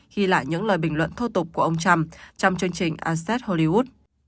ghi lại những lời bình luận thô tục của ông trump trong chương trình aced hollywood